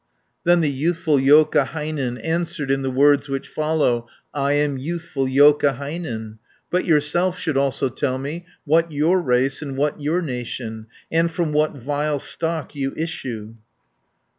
Then the youthful Joukahainen Answered in the words which follow: 110 "I am youthful Joukahainen; But yourself should also tell me, What your race, and what your nation, And from what vile stock you issue."